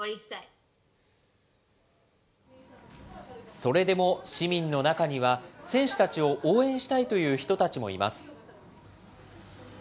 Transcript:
それでも市民の中には、選手たちを応援したいという人たちもいます。